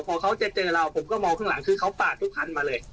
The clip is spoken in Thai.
พอเขาจะเจอเราผมก็มองข้างหลังคือเขาปาดทุกคันมาเลย